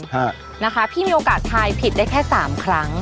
ฮะนะคะพี่มีโอกาสทายผิดได้แค่สามครั้ง